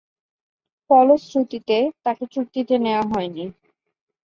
ফলশ্রুতিতে, তাকে চুক্তিতে নেয়া হয়নি।